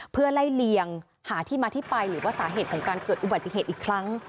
เพื่อไล่เลียงหาที่มาที่ไปหรือว่าสาเหตุของการเกิดอุบัติเหตุอีกครั้ง